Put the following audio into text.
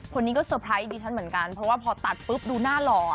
คนนี้ก็เตอร์ไพรส์ดิฉันเหมือนกันเพราะว่าพอตัดปุ๊บดูหน้าหล่อ